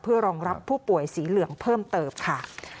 เพื่อรองรับผู้ป่วยสีเหลืองเพิ่มเติมค่ะ